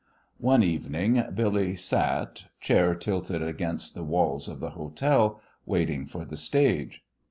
One evening Billy sat chair tilted against the walls of the hotel waiting for the stage.